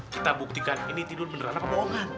kita buktikan ini tidur beneran bohongan